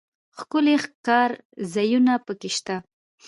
ښکلي ښکارځایونه پکښې شته.